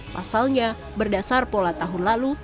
pasalnya berdasar pola tahun lalu